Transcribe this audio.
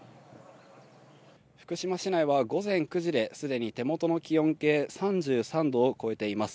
福島市内は午前９時で、すでに手元の気温計３３度を超えています。